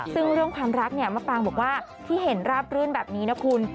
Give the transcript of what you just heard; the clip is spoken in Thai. ซึ่งเรื่องความรักเนี่ยมะปางบอกว่าที่เห็นราบรื่นแบบนี้นะคุณ